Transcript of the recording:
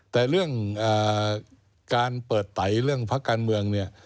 แต่เรื่องการเปิดไตเรื่องพักการเมืองเนี่ย